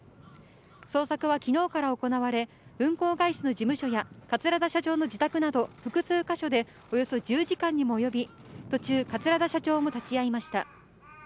捜索はきのうから行われ、運航会社の事務所や桂田社長の自宅など、複数箇所でおよそ１０時間にも及び、途中、桂田社長も立ち会いました。